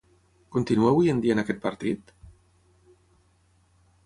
Continua avui en dia en aquest partit?